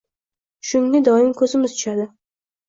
Shunga doim ko’zimiz tushadi.